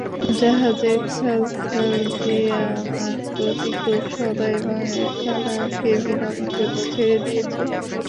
জাহাজের খাজাঞ্চী আমার প্রতি খুব সদয় এবং একখানা কেবিন আমার জন্য ছেড়ে দিয়েছেন।